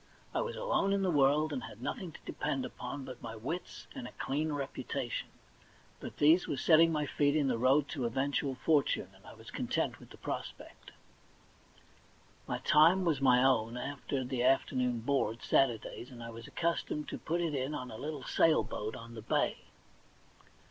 I was alone in the worlds and had nothing to depend upon but my wits and a clean reputation; but these w^ere setting my feet in the road to eventual fortune, and I was content with the prospect. My time was my own after the afternoon board, Saturdays, and I was accustomed to put it in on a little sail boat on the bay.